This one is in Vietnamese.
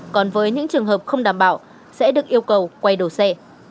còn với những trường hợp không đảm bảo sẽ được yêu cầu quay đầu xe